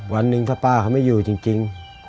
วันหนึ่งถ้าป้าเขาไม่อยู่จริง